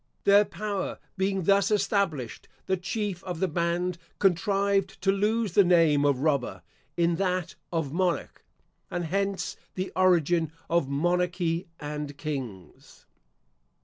Their power being thus established, the chief of the band contrived to lose the name of Robber in that of Monarch; and hence the origin of Monarchy and Kings.